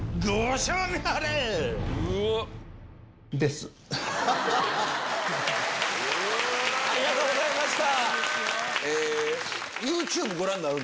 すごい！ありがとうございました！